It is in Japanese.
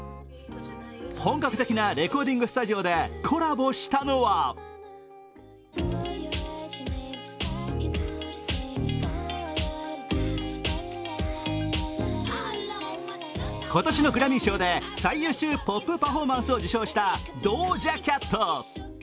本格的なレコーディングスタジオでコラボしたのは今年のグラミー賞で最優秀ポップ・パフォーマンスを受賞したドージャ・キャット。